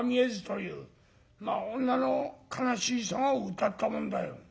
まあ女の悲しい性をうたったもんだよ。